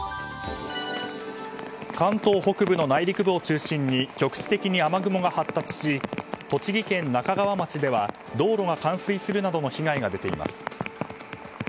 関東北部の内陸部を中心に局地的に雨雲が発達し栃木県那珂川町では道路が冠水するなどの被害が出ています。